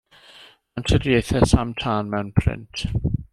Anturiaethau Sam Tân mewn print.